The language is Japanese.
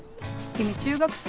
君中学生？